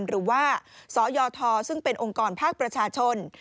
หรือว่าสยทซึ่งเป็นองค์กรภาคประชาชน